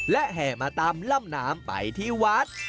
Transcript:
และแห่มาตามลำน้ำไปที่วัด